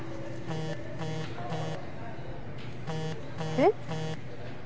えっ？